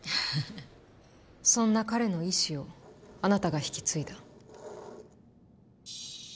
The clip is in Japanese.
そんな彼の遺志をあなたが引き継いだ。